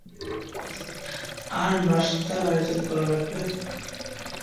আর নাশতার আয়োজনও করা লাগবে।